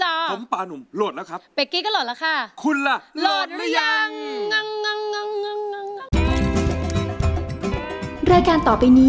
พร้อมป่านุ่มโหลดแล้วครับ